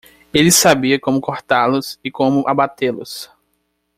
Ele sabia como cortá-los e como abatê-los.